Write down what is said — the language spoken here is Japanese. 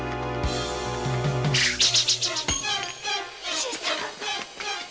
新さん！